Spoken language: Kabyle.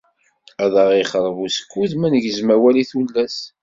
Ad aɣ ixṛeb usekkud manegzem awal i tullas.